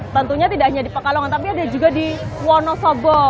tentunya tidak hanya di pekalongan tapi ada juga di wonosobo